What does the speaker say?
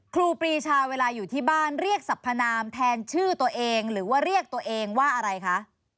ครูปรีชาเวลาอยู่ที่บ้านเรียกสรรพนามแทนชื่อตัวเองหรือว่าเรียกตัวเองว่าอะไรคะ